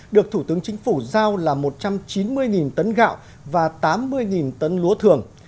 được thủ tướng chính phủ giao là một trăm chín mươi tấn gạo và tám mươi tấn lúa thường